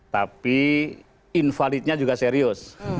tapi invalidnya juga serius